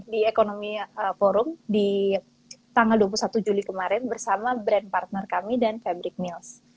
di economy forum di tanggal dua puluh satu juli kemarin bersama brand partner kami dan fabric mils